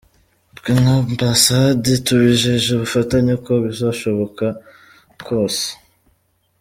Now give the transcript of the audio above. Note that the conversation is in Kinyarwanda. Twe nk’Ambasade tubijeje ubufatanye uko bizashoboka kose.